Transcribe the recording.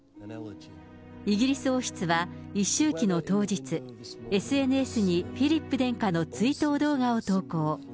イギリス王室は、一周忌の当日、ＳＮＳにフィリップ殿下の追悼動画を投稿。